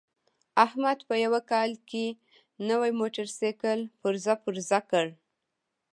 احمد په یوه کال کې نوی موټرسایکل پرزه پرزه کړ.